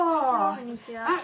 こんにちは。